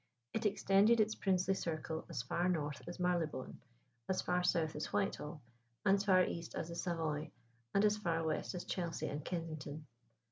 It extended its princely circle as far north as Marylebone, as far south as Whitehall, as far east as the Savoy, and as far west as Chelsea and Kensington.